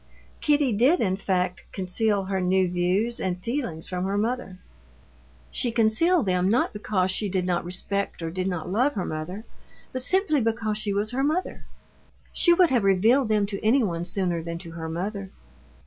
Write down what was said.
Kitty did in fact conceal her new views and feelings from her mother. She concealed them not because she did not respect or did not love her mother, but simply because she was her mother. She would have revealed them to anyone sooner than to her mother.